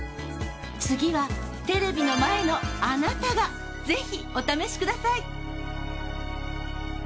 次はテレビの前のあなたがぜひお試しください。